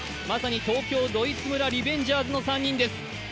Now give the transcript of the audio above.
まさに東京ドイツ村リベンジャーズの３人です。